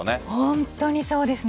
本当にそうです。